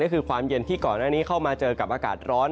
ก็คือความเย็นที่ก่อนหน้านี้เข้ามาเจอกับอากาศร้อน